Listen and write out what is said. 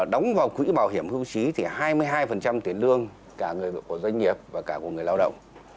đóng vào quỹ bảo hiểm hưu trí thì hai mươi hai tiền lương cả của doanh nghiệp và cả của người lao động